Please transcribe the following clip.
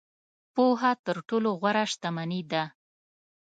• پوهه تر ټولو غوره شتمني ده.